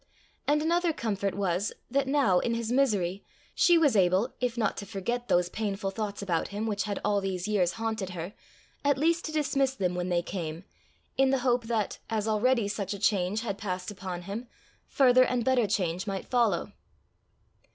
And another comfort was, that now, in his misery, she was able, if not to forget those painful thoughts about him which had all these years haunted her, at least to dismiss them when they came, in the hope that, as already such a change had passed upon him, further and better change might follow.